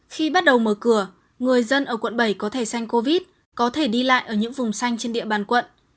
khi bắt đầu mở cửa người dân ở quận bảy có thể xanh covid có thể đi lại ở những vùng xanh trên địa bàn quận